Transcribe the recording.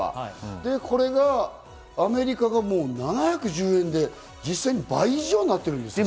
これがアメリカが７１０円で実際、倍以上になってますね。